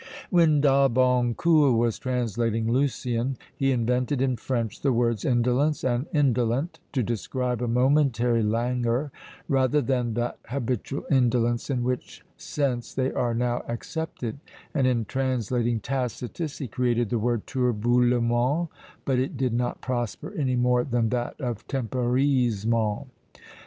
When D'Albancourt was translating Lucian, he invented in French the words indolence and indolent, to describe a momentary languor, rather than that habitual indolence in which sense they are now accepted; and in translating Tacitus, he created the word turbulemment; but it did not prosper any more than that of temporisement.